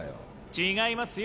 違いますよ。